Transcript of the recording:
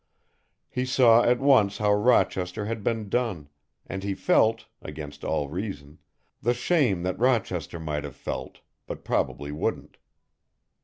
He saw at once how Rochester had been done, and he felt, against all reason, the shame that Rochester might have felt but probably wouldn't.